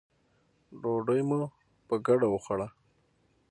ډوډۍ مو په ګډه وخوړه.